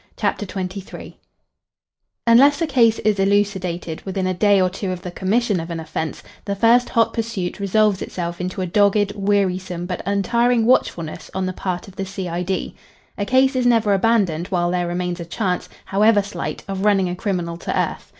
CHAPTER XXIII Unless a case is elucidated within a day or two of the commission of an offence the first hot pursuit resolves itself into a dogged, wearisome but untiring watchfulness on the part of the C.I.D. A case is never abandoned while there remains a chance, however slight, of running a criminal to earth.